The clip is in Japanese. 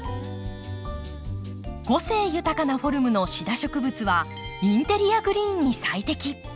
個性豊かなフォルムのシダ植物はインテリアグリーンに最適。